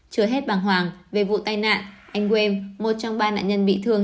chưa hết bằng hoàng về vụ tai nạn anh quêm một trong ba nạn nhân bị thương